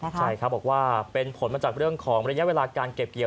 ใช่ครับบอกว่าเป็นผลมาจากเรื่องของระยะเวลาการเก็บเกี่ยว